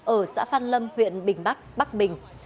ở xã phan lâm huyện bình bắc bắc bình